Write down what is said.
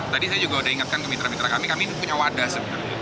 tadi saya juga udah ingatkan ke mitra mitra kami kami punya wadah sebenarnya